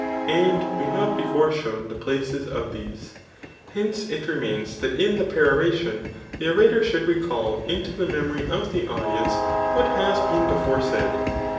And we have before shown the places of these. Hence it re mains that in the peroration the orator should recal into the memory of the audience what has been before said.